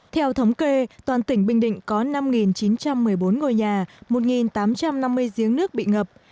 theo thống kê toàn tỉnh bình định có năm chín trăm một mươi bốn ngôi nhà một tám trăm năm mươi giếng nước bị ngập